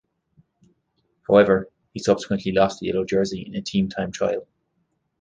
However he subsequently lost the yellow jersey in a team time trial.